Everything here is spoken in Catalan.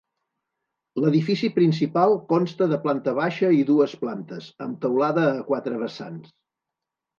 L'edifici principal consta de planta baixa i dues plantes, amb teulada a quatre vessants.